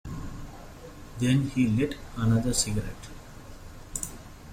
Then he lit another cigarette.